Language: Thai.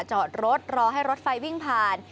จอดรถรอให้รถไฟวิ่งผ่าน